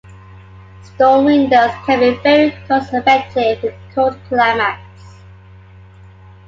Storm windows can be very cost-effective, in cold climates.